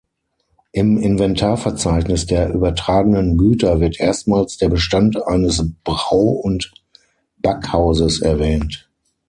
Im Inventarverzeichnis der übertragenen Güter wird erstmals der Bestand eines Brau- und Backhauses erwähnt.